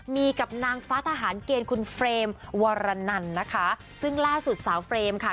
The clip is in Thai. มีกับนางฟ้าทหารเกณฑ์คุณเฟรมวรนันนะคะซึ่งล่าสุดสาวเฟรมค่ะ